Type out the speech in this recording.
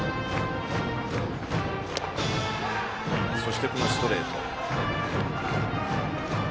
そしてこのストレート。